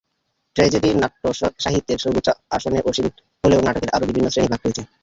Tragedy নাট্যসাহিত্যের সর্বোচ্চ আসনে আসীন হলেও নাটকের আরও বিভিন্ন শ্রেণিবিভাগ রয়েছে।